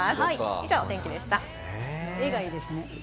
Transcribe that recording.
以上、お天気でした。